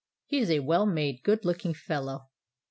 He is a well made, good looking fellow."